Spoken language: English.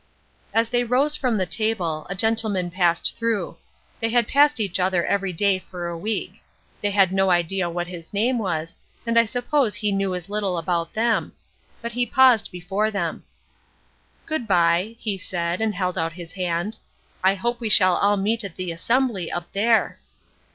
As they rose from table, a gentleman passed through; they had passed each other every day for a week; they had no idea what his name was, and I suppose he knew as little about them. But he paused before them: "Good bye," he said. And held out his hand, "I hope we shall all meet at the assembly up there!"